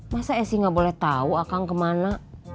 masa esy nggak boleh tahu akang kemana